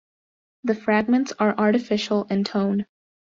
The fragments are artificial in tone.